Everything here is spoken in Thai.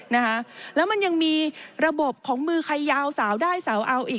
นะคะแล้วมันยังมีระบบของมือใครยาวสาวได้สาวเอาอีก